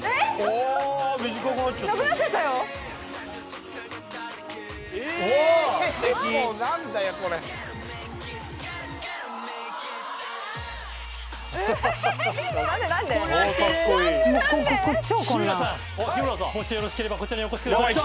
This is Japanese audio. もしよろしければこちらにお越しください。